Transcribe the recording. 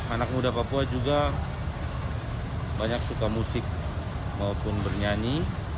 anak muda papua juga banyak suka musik maupun bernyanyi